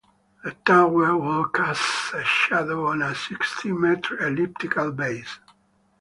The tower would cast a shadow on a sixty-metre elliptical base.